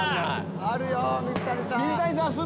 あるよ水谷さん。